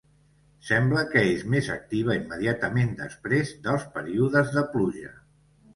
Sembla que és més activa immediatament després dels períodes de pluja.